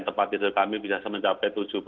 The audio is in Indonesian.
tempat tidur kami bisa mencapai